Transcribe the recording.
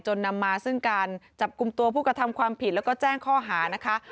นำมาซึ่งการจับกลุ่มตัวผู้กระทำความผิดแล้วก็แจ้งข้อหานะคะ